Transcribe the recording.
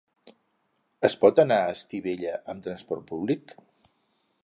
Es pot anar a Estivella amb transport públic?